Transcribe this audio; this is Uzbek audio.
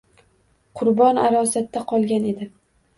Qurbon arosatda qolgan edi